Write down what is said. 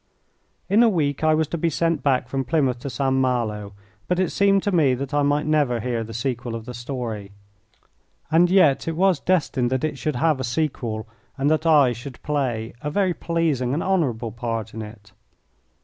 In a week I was to be sent back from Plymouth to St. Malo, and it seemed to me that I might never hear the sequel of the story. And yet it was destined that it should have a sequel and that I should play a very pleasing and honourable part in it.